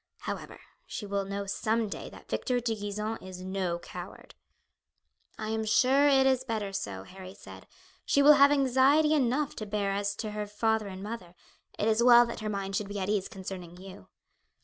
However, she will know some day that Victor de Gisons is no coward." "I am sure it is better so," Harry said. "She will have anxiety enough to bear as to her father and mother; it is well that her mind should be at ease concerning you."